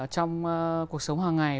trong cuộc sống hàng ngày